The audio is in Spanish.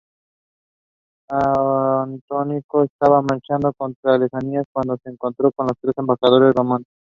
Antíoco estaba marchando contra Alejandría, cuando se encontró con los tres embajadores romanos.